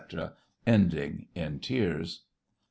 (Ending in tears.)